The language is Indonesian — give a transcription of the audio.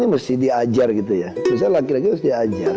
mesti diajar gitu ya misalnya laki laki harus diajar